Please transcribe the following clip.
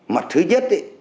mặt thứ nhất